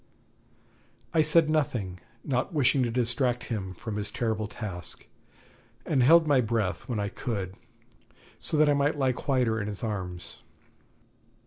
I said nothing, not wishing to distract him from his terrible task, and held my breath, when I could, so that I might lie quieter in his arms.